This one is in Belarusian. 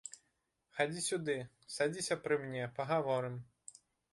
Хадзі сюды, садзіся пры мне, пагаворым.